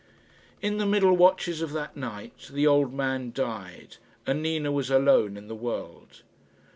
In the middle watches of that night the old man died, and Nina was alone in the world.